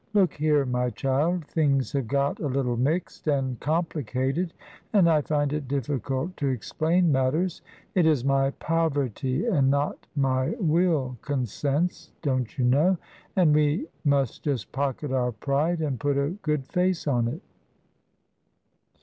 "Look here, my child, things have got a little mixed and complicated, and I find it difficult to explain matters. It is my 'poverty and not my will consents,' don't you know and we must just pocket our pride and put a good face on it."